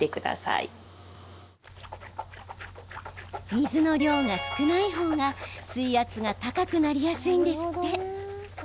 水の量が少ない方が水圧が高くなりやすいんですって。